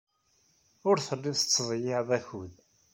Ur tellid tettḍeyyiɛed akud.